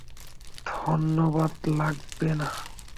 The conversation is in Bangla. ধন্যবাদ, লাগবে না।